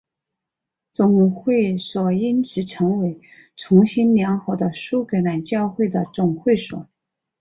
总会所因此成为重新联合的苏格兰教会的总会所。